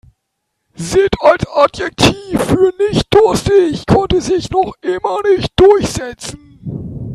Sitt als Adjektiv für nicht-durstig konnte sich noch immer nicht durchsetzen.